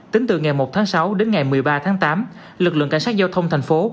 tính từ ngày một tháng sáu đến ngày một mươi ba tháng tám lực lượng cảnh sát giao thông thành phố